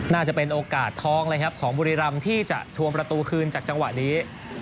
น่าจะเป็นโอกาสทองเลยครับของบุรีรำที่จะทวงประตูคืนจากจังหวะนี้